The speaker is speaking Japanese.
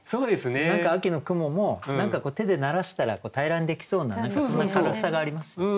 何か秋の雲も何か手でならしたら平らにできそうな何かそんな軽さがありますよね。